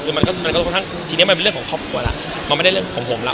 ทีนี้มันเป็นเรื่องของครอบครัวล่ะมันไม่ได้เรื่องของผมล่ะ